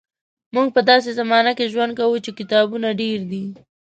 موږ په داسې زمانه کې ژوند کوو چې کتابونه ډېر دي.